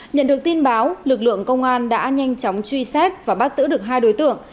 nhận được tin báo lực lượng công an đã nhanh chóng truy xét và bắt giữ được hai đối tượng